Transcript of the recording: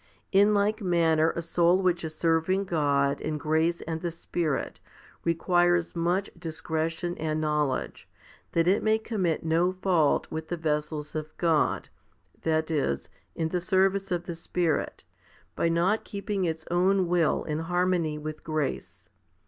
In like manner a soul which is serving God in grace and the Spirit requires much discretion and knowledge, that it may commit no fault with the vessels of God, that is, in the service of the Spirit, by not keeping its own will in harmony with grace.